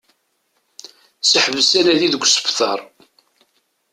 Seḥbes anadi deg usebter